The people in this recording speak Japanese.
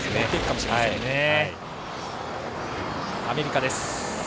アメリカです。